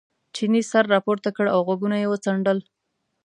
چیني سر را پورته کړ او غوږونه یې وڅنډل.